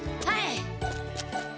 はい！